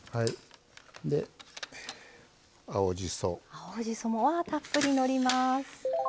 青じそもあたっぷりのります。